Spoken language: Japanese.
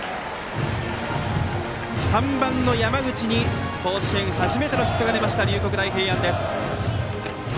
３番の山口に甲子園初めてのヒットが出ました龍谷大平安。